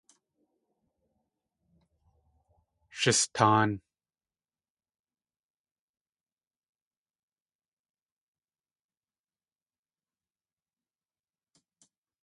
Sh istáan.